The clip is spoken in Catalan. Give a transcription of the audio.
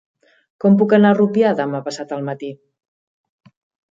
Com puc anar a Rupià demà passat al matí?